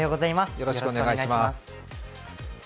よろしくお願いします。